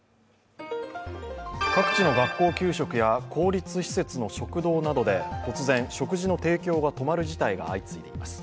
各地の学校給食や公立施設の食堂などで突然食事の提供が止まる事態が相次いでいます。